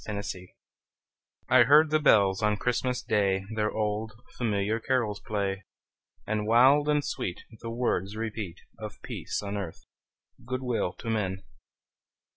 CHRISTMAS BELLS I heard the bells on Christmas Day Their old, familiar carols play, And wild and sweet The words repeat Of peace on earth, good will to men!